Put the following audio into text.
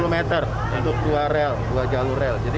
dua puluh meter untuk dua jalur rel